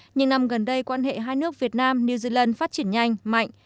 những năm gần đây quan hệ hai nước việt nam new zealand phát triển nhanh mạnh